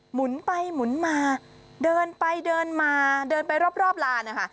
หมุนไปหมุนมาเดินไปเดินมาเดินไปรอบลานนะคะ